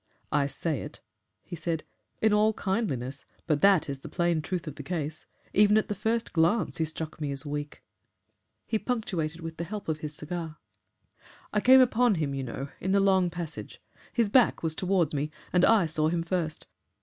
"I say it," he said, "in all kindliness, but that is the plain truth of the case. Even at the first glance he struck me as weak." He punctuated with the help of his cigar. "I came upon him, you know, in the long passage. His back was towards me and I saw him first.